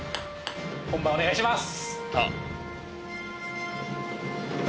本番お願いします！